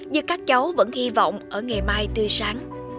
nhưng các cháu vẫn hy vọng ở ngày mai tươi sáng